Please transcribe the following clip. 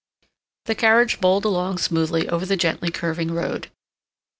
The carriage bowled along smoothly over the gently curving road.